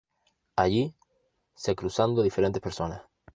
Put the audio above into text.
Allí se cruzando diferentes personas.